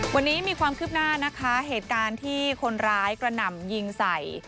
วันนี้มีความคืบหน้านะคะเหตุการณ์ที่คนร้ายกระหน่ำยิงใส่